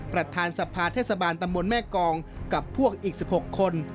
ประธานสภาเทศบาลตำบลแม่กองกับพวกอีก๑๖คน